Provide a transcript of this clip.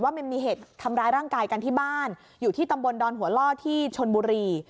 มันมีเหตุทำร้ายร่างกายกันที่บ้านอยู่ที่ตำบลดอนหัวล่อที่ชนบุรี